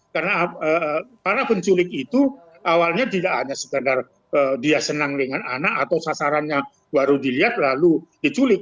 karena para penculik itu awalnya tidak hanya sekadar dia senang dengan anak atau sasarannya baru dilihat lalu diculik